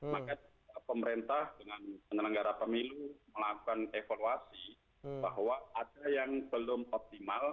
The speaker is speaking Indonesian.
maka pemerintah dengan penyelenggara pemilu melakukan evaluasi bahwa ada yang belum optimal